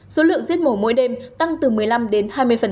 số lượng giết mổ mỗi đêm tăng từ một mươi năm đến hai mươi